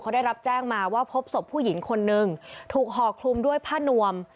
เขาได้รับแจ้งมาว่าพบศพผู้หญิงคนนึงถูกห่อคลุมด้วยผ้านวม